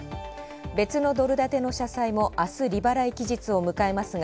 別のドル建ての社債も、あす利払い期日を迎えますが、